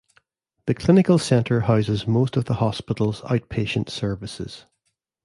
The Clinical Center houses most of the hospital's outpatient services.